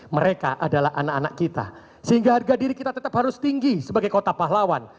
mereka adalah anak anak kita sehingga harga diri kita tetap harus tinggi sebagai kota pahlawan